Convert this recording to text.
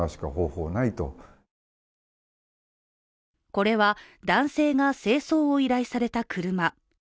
これは、男性が清掃を依頼された車。